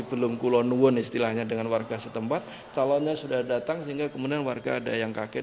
belum kulon istilahnya dengan warga setempat calonnya sudah datang sehingga kemudian warga ada yang kaget